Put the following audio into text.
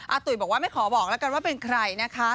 ตุ๋ยบอกว่าไม่ขอบอกแล้วกันว่าเป็นใครนะคะ